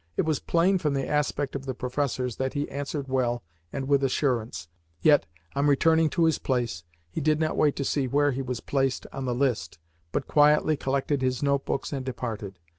It was plain from the aspect of the professors that he answered well and with assurance, yet, on returning to his place, he did not wait to see where he was placed on the list, but quietly collected his notebooks and departed.